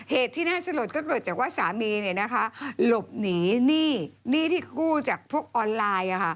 เหตุที่น่าสลดก็เกิดจากว่าสามีหลบหนีหนี้ที่กู้จากพวกออนไลน์